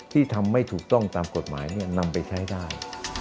ที่ทำไม่ถูกต้องตามกฎหมายนำไปใช้ได้